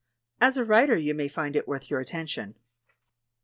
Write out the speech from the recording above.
As a writer you may find it worth your attention.